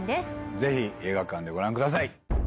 ぜひ映画館でご覧ください！